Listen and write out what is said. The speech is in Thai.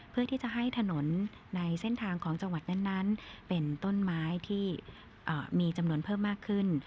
เพื่อที่จะให้ถนนในเส้นทางของจังหวัดนั้นเป็นต้นไม้ที่มีจำนวนเพิ่มมากขึ้น